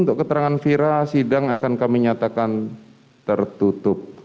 untuk keterangan fira sidang akan kami nyatakan tertutup